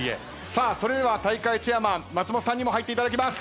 さあそれでは大会チェアマン松本さんにも入っていただきます。